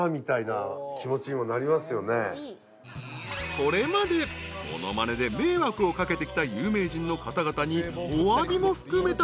［これまで物まねで迷惑を掛けてきた有名人の方々におわびも含めた］